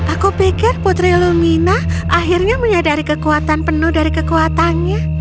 aku pikir putri lumina akhirnya menyadari kekuatan penuh dari kekuatannya